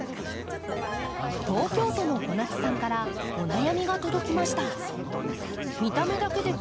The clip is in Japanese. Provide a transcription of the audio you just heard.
東京都の小夏さんからお悩みが届きました。